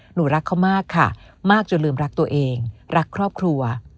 หนูรักเขามากค่ะมากจนลืมรักตัวเองรักครอบครัว